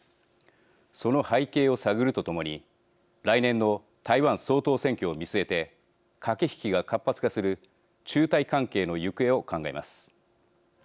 その背景を探るとともに来年の台湾総統選挙を見据えて駆け引きが活発化する中台関係の行方を考えます。